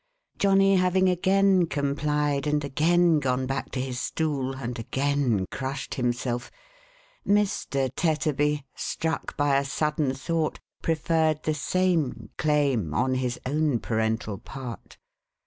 Johnny having again complied, and again gone back to his stool, and again crushed himself, Mr. Tetterby, struck by a sudden thought, preferred the same claim on his own parental part.